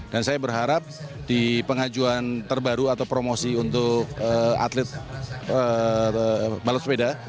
dan saya berharap di pengajuan terbaru atau promosi untuk atlet balut sepeda